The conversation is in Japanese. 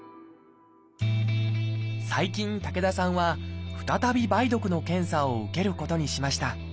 最近武田さんは再び梅毒の検査を受けることにしました。